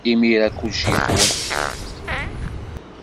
Imir-a, kullec yeqwem.